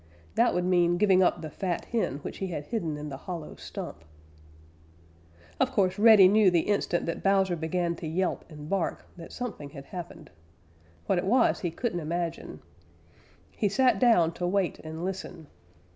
That would mean giving up the fat hen which he had hidden in the hollow stump. Of course, Reddy knew the instant that Bowser began to yelp and bark that something had happened. What it was he couldn't imagine. He sat down to wait and listen.